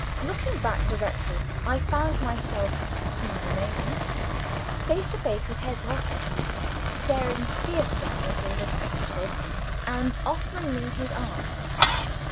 Looking back directly, I found myself, to my amazement, face to face with Herr Grosse staring ferociously at me through his spectacles, and offering me his arm!